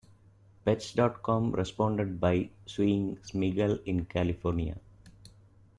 Pets dot com responded by suing Smigel in California.